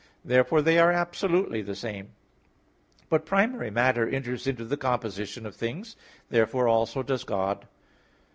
Therefore they are absolutely the same. But primary matter enters into the composition things. Therefore also does God.